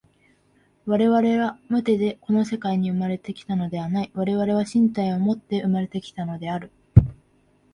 我々は無手でこの世界に生まれて来たのではない、我々は身体をもって生まれて来たのである。